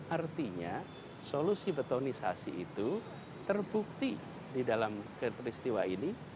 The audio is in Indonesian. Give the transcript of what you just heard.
artinya solusi betonisasi itu terbukti di dalam peristiwa ini